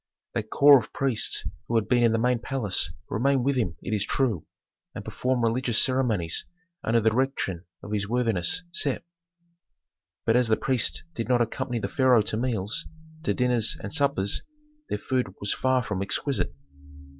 That corps of priests who had been in the main palace remained with him it is true, and performed religious ceremonies under the direction of his worthiness Sem. But as the priests did not accompany the pharaoh to meals, to dinners and suppers, their food was far from exquisite.